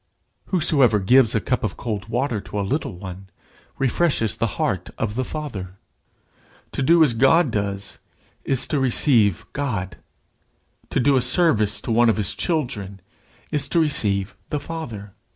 Whosoever gives a cup of cold water to a little one, refreshes the heart of the Father. To do as God does, is to receive God; to do a service to one of his children is to receive the Father.